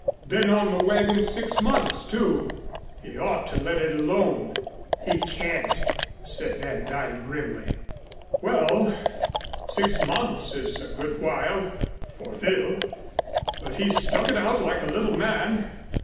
Been on the wagon six months, too. He ought to let it alone." "He can't," said Van Duyn grimly. "Well, six months is a good while for Phil but he stuck it out like a little man."